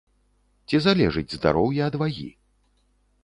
Ці залежыць здароўе ад вагі?